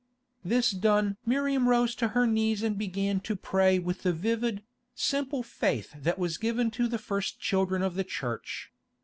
This done Miriam rose to her knees and began to pray with the vivid, simple faith that was given to the first children of the Church.